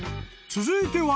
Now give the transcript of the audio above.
［続いては］